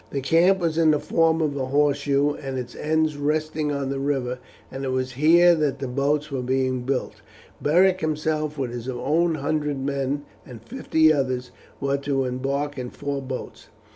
The camp was in the form of a horseshoe, and its ends resting on the river, and it was here that the boats were being built. Beric himself with his own hundred men and fifty others were to embark in four boats.